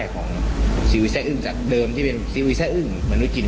กลักษณะตอนนั้นผมเลยทำไม้ทุกอย่าง